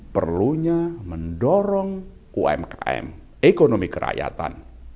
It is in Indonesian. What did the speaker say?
perlunya mendorong umkm ekonomi kerakyatan